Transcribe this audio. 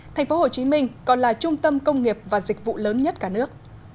tp hcm còn là trung tâm công nghiệp và dịch vụ lớn nhất cả nước